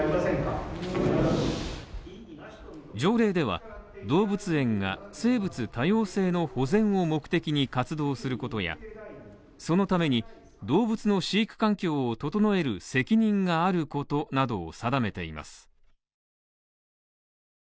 条例では、動物園が生物多様性の保全を目的に活動することや、そのために、動物の飼育環境を整える責任があることなどを定めています。